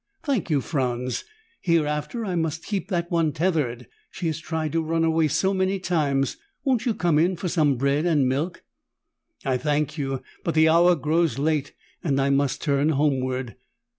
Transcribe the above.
"Thank you, Franz. Hereafter I must keep that one tethered. She has tried to run away so many times. Won't you come in for some bread and milk?" "I thank you, but the hour grows late and I must turn homeward."